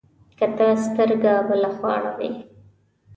که ته سترګه بله خوا اړوې،